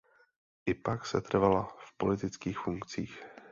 I pak setrvala v politických funkcích.